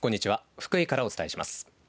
福井からお伝えします。